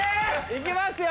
行きますよ。